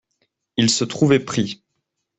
Ils se trouvaient pris.